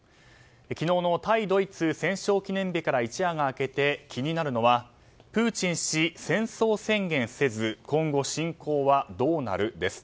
昨日の対ドイツ戦勝記念日から一夜が明けて気になるのは、プーチン氏戦争宣言せず今後、侵攻はどうなるです。